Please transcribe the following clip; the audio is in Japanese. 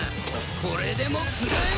これでも食らえ！